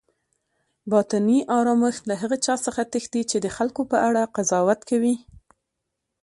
باطني آرامښت له هغه چا څخه تښتي چی د خلکو په اړه قضاوت کوي